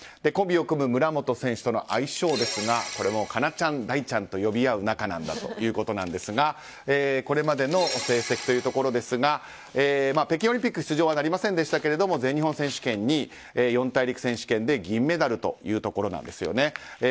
コンビを組む村元選手との相性ですが、哉中ちゃん大ちゃんと呼び合う仲なんだということですがこれまでの成績というところですが北京オリンピック出場はなりませんでしたけど全日本選手権２位四大陸選手権で銀メダルというところなんです。